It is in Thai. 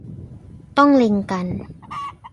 ต้องเล็งกัน